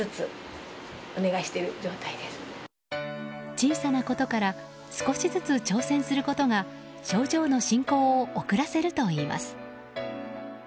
小さなことから少しずつ挑戦することが症状の進行を遅らせるといいます。